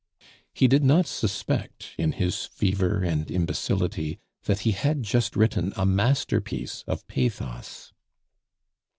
He did not suspect, in his fever and imbecility, that he had just written a masterpiece of pathos.